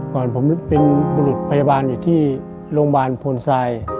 ก่อนผมเป็นบุรุษพยาบาลอยู่ที่โรงบาลพวนไซด์